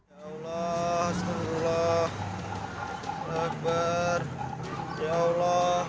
ya allah assalamualaikum wr wb